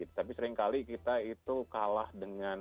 tapi seringkali kita itu kalah dengan